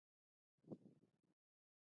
هر څوک کولی شي استاد ته چکش او پلاس ورکړي